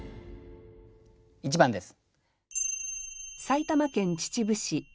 １番です。